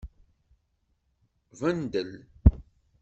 Bundel.